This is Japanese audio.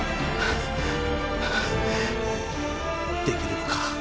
できるのか？